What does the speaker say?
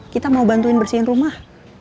kita mau bantuin bersihin rumah